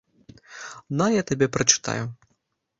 На, я табе прачытаю.